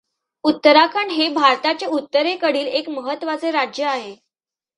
उत्तराखंड हे भारताच्या उत्तरे कडील एक महत्वाचे राज्य आहे.